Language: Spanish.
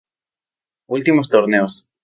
Últimos torneos